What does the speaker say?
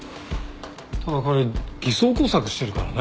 ただ彼偽装工作してるからね。